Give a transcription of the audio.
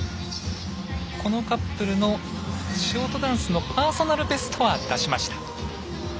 このカップルのショートダンスのパーソナルベストは出しました。